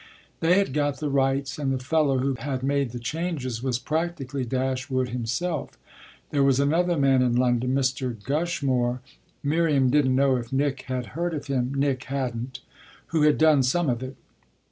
They had got the rights, and the fellow who had made the changes was practically Dashwood himself; there was another man in London, Mr. Gushmore Miriam didn't know if Nick had heard of him (Nick hadn't) who had done some of it.